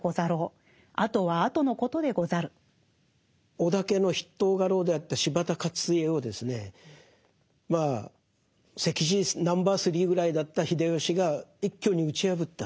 織田家の筆頭家老であった柴田勝家をですねまあ席次ナンバー３ぐらいだった秀吉が一挙に打ち破った。